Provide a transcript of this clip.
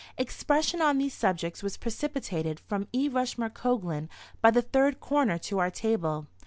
Expression on these subjects was precipitated from E. Rushmore Coglan by the third corner to our table.